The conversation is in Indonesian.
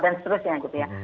dan seterusnya gitu ya